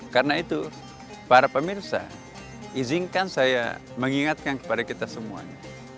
karena itu para pemirsa izinkan saya mengingatkan kepada kita semuanya